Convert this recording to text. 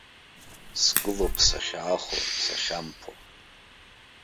Сгылоуп сахьаахо, сахьамԥо.